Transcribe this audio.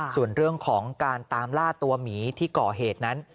ส่วนเรื่องของการตามล่าตัวหมีที่ก่อเหตุนั้น